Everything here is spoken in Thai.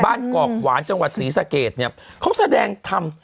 ทางกรอกหวานจังหวัดศรีสะเกดเค้าแสดงทำ